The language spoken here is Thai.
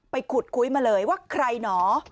ขุดคุยมาเลยว่าใครหนอ